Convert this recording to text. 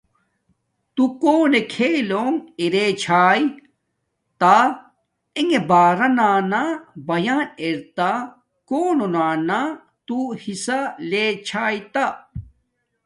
تو کونے کیھلونݣ ارے چھاݵ تا انݣ بارانا بیان ارے تا کونو نا تو حصہ لے چھاݵ تہ